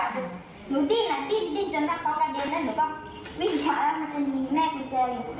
หนูดิ้นละดิ้นดิ้นจนต้องกระเด็นแล้วหนูก็วิ่งขวาแล้วมันจะนีแม่คือเจ้าอยู่